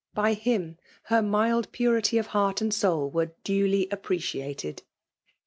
By faim^ her mild purity of heart and soal were duly appreciated. He lo?